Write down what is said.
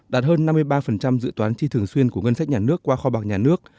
đạt hơn năm mươi ba dự toán chi thường xuyên của ngân sách nhà nước qua kho bạc nhà nước